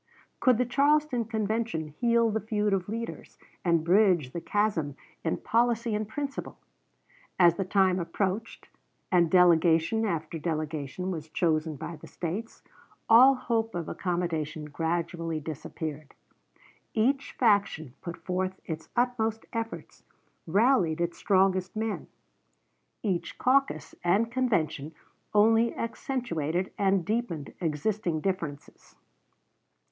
Could the Charleston Convention heal the feud of leaders, and bridge the chasm in policy and principle? As the time approached, and delegation after delegation was chosen by the States, all hope of accommodation gradually disappeared. Each faction put forth its utmost efforts, rallied its strongest men. Each caucus and convention only accentuated and deepened existing differences.